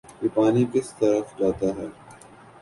یہ پانی کس طرف جاتا ہے